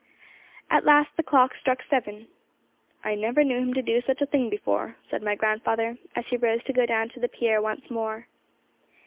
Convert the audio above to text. At last the clock struck seven. 'I never knew him do such a thing before!' said my grandfather, as he rose to go down to the pier once more.